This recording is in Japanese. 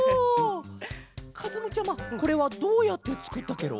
かずむちゃまこれはどうやってつくったケロ？